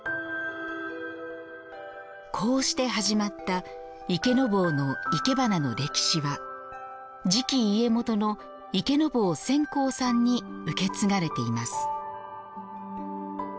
こうして始まった池坊のいけばなの歴史は次期家元の池坊専好さんに受け継がれています。